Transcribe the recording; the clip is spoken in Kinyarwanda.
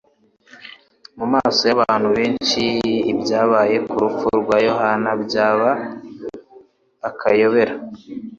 Mu maso y'abantu benshi, ibyabaye ku rupfu rwa Yohana byaba; akayobera.